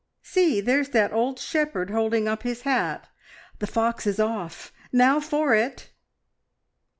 see! there's that old shepherd holding up his hat. The fox is off! Now for it!"